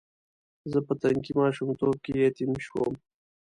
زه په تنکي ماشومتوب کې یتیم شوم.